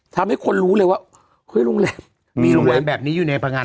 ทำให้คนรู้เลยว่าโรงแรมมีโรงแรมแบบนี้อยู่ในประงัดด้วย